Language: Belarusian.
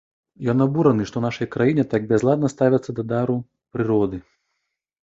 Ён абураны, што ў нашай краіне так бязладна ставяцца да дару прыроды.